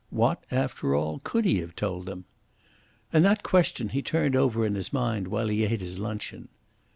What, after all, could he have told them? And that question he turned over in his mind while he ate his luncheon.